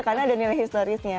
karena ada nilai historisnya